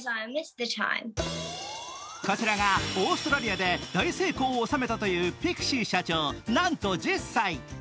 こちらがオーストラリアで大成功を収めたというピクシー社長、なんと１０歳。